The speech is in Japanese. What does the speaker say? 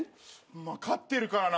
まあ勝ってるからな。